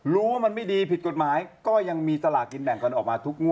รู้ว่ามันไม่ดีผิดกฎหมายก็ยังมีสลากกินแบ่งกันออกมาทุกงวด